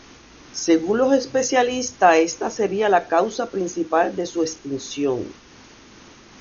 Según los especialistas esta sería la causa principal de su extinción.